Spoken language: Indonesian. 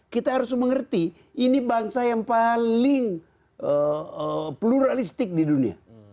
kita harus mengerti ini bangsa yang paling pluralistik di dunia